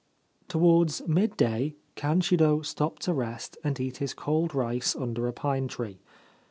Towards midday Kanshiro stopped to rest and eat his cold rice under a pine tree.